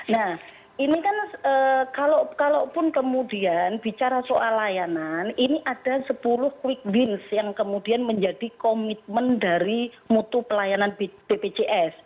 nah ini kan kalaupun kemudian bicara soal layanan ini ada sepuluh quick wins yang kemudian menjadi komitmen dari mutu pelayanan bpjs